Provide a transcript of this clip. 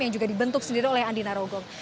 yang juga dibentuk sendiri oleh andi narogong